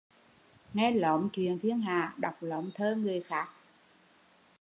Nghe lóm chuyện thiên hạ, đọc lóm thơ người khác